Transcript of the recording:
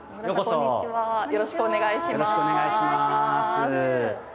よろしくお願いします。